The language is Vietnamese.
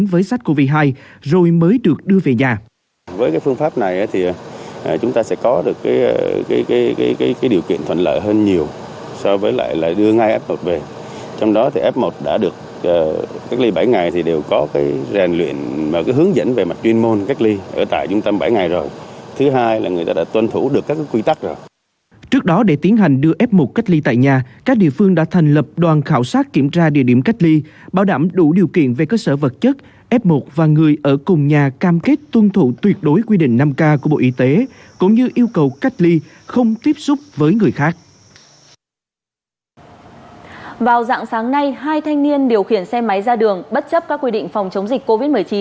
vào dạng sáng nay hai thanh niên điều khiển xe máy ra đường bất chấp các quy định phòng chống dịch covid một mươi chín